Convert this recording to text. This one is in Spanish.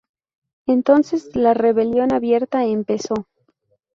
Entonces la rebelión abierta empezó.